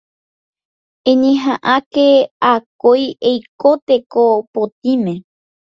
Eñeha'ãke akói eiko teko potĩme